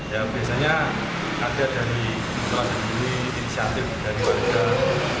ya biasanya ada dari musola sendiri insyatif dari warga